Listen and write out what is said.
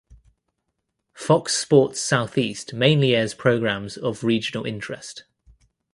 Fox Sports Southeast mainly airs programs of regional interest.